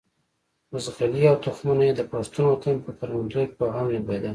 بزغلي او تخمونه یې د پښتون وطن په کروندو کې په غم لمدېدل.